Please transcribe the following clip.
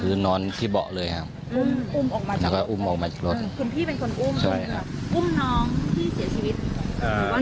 อุ้มน้องที่เสียชีวิต